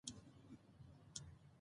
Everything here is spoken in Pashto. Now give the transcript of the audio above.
د څو لوبو نومونه واخلی ؟